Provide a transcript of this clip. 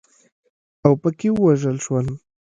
اوپکي ووژل شول.